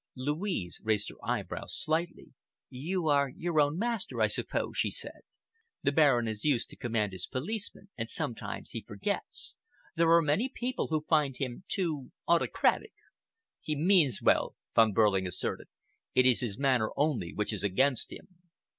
Louise raised her eyebrows slightly. "You are your own master, I suppose," she said. "The Baron is used to command his policemen, and sometimes he forgets. There are many people who find him too autocratic." "He means well," Von Behrling asserted. "It is his manner only which is against him."